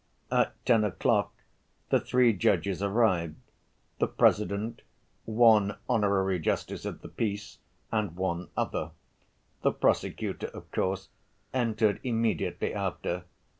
At ten o'clock the three judges arrived—the President, one honorary justice of the peace, and one other. The prosecutor, of course, entered immediately after.